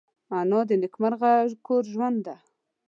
انا د نیکمرغه کور ژوند ده